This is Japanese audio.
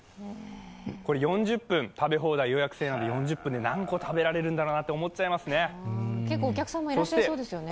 これ４０分食べ放題、予約制なので４０分で何個食べられるんだろうなと思っちゃいますね。